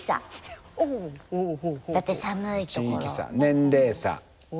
だって寒いところ。